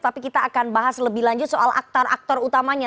tapi kita akan bahas lebih lanjut soal aktor aktor utamanya